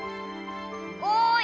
おい！